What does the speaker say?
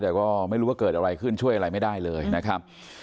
แต่ก็ไม่รู้ว่าเกิดอะไรขึ้นช่วยอะไรไม่ได้เลยนะครับ